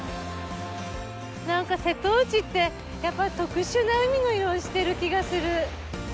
何か瀬戸内ってやっぱ特殊な海の色をしてる気がする。